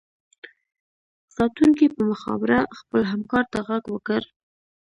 ساتونکي په مخابره خپل همکار ته غږ وکړو